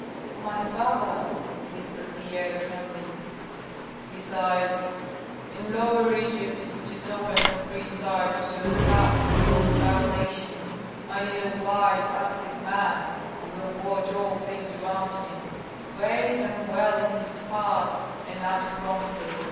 "My father!" whispered the heir, trembling. "Besides, in Lower Egypt, which is open on three sides to attacks of hostile nations, I need a wise, active man, who will watch all things round him, weigh them well in his heart, and act promptly.